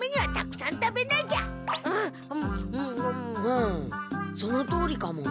うんそのとおりかも。